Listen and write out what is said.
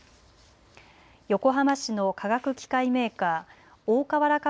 横浜市の化学機械メーカー、大川原化